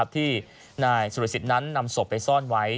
ที่นายสุรสิทธิ์นั้นนำศพไปซ่อนไว้